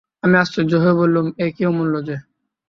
আমি আশ্চর্য হয়ে বললুম, এ কী, অমূল্য যে!